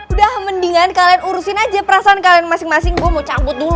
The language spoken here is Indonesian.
udah mendingan kalian urusin aja perasaan kalian masing masing gue mau camput dulu